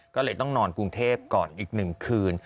ก็เลยต้องนอนปรุงเทปก่อนอีกหนึ่งคืน